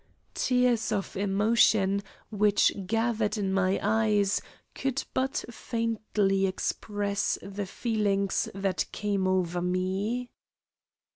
Tears of emotion which gathered in my eyes could but faintly express the feelings that came over me.